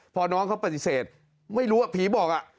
พอน้องเขาปฏิเสธไม่รู้ว่าผีบอก